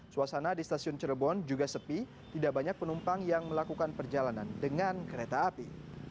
suasana di stasiun cirebon juga sepi tidak banyak penumpang yang melakukan perjalanan dengan kereta api